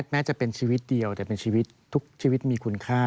แม้จะเป็นชีวิตเดียวแต่เป็นชีวิตทุกชีวิตมีคุณค่า